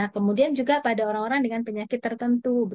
kemudian juga pada orang orang dengan penyakit tertentu